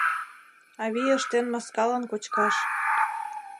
Авий ыштен маскалан кочкаш.